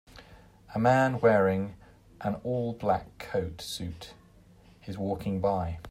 A man wearing an all black coat suit is walking by.